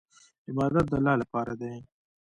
عبادت د الله لپاره دی.